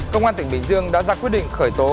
công an tỉnh bình dương đã ra quyết định khởi tố